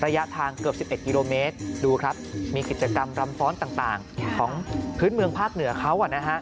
ระยะทางเกือบ๑๑กิโลเมตรดูครับมีกิจกรรมรำฟ้อนต่างของพื้นเมืองภาคเหนือเขา